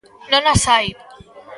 Non as hai.